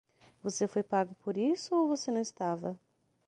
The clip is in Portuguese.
Você foi pago por isso ou você não estava?